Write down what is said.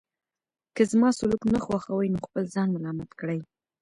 که زما سلوک نه خوښوئ نو خپل ځان ملامت کړئ.